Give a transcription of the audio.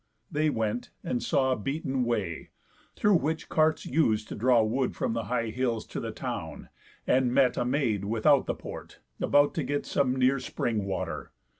They went, and saw A beaten way, through which carts us'd to draw Wood from the high hills to the town, and met A maid without the port, about to get Some near spring water.